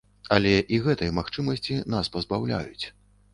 Але і гэтай магчымасці нас пазбаўляюць.